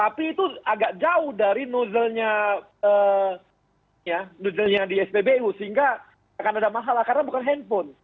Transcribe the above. tapi itu agak jauh dari nozzle nya ya nozzle nya di spbu sehingga akan ada mahal lah karena bukan handphone